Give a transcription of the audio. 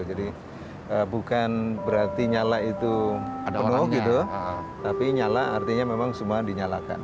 jadi bukan berarti nyala itu penuh gitu tapi nyala artinya memang semua dinyalakan